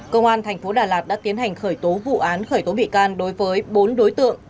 công an thành phố đà lạt đã tiến hành khởi tố vụ án khởi tố bị can đối với bốn đối tượng